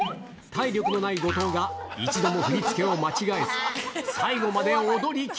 体力のない後藤が、一度も振り付けを間違えず、しんどい！